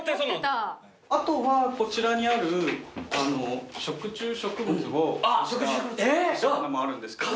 あとはこちらにある食虫植物を押した押し花もあるんですけど。